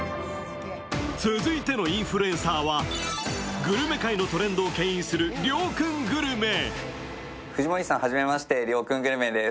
続いてのインフルエンサーはグルメ界のトレンドをけん引するりょうくんグルメ。